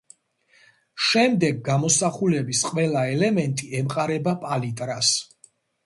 შემდეგ გამოსახულების ყველა ელემენტი ემყარება პალიტრას.